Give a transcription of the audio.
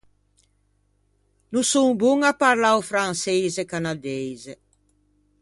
No son bon à parlâ o franseise canadeise.